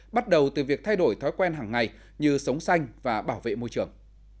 bắt đầu từ việc thay đổi thói quen hàng ngày như sống xanh và bảo vệ môi trường